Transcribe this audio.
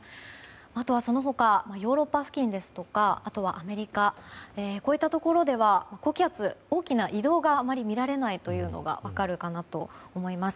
あとは、その他ヨーロッパ付近ですとかあとは、アメリカこういったところでは高気圧の大きな移動があまり見られないことが分かるかなと思います。